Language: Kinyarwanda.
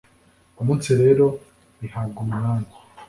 umunsi rero bihabwa umunani;